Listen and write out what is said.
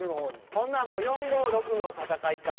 ほなもう４５６の戦いか。